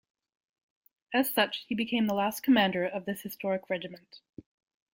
As such, he became the last commander of this historic regiment.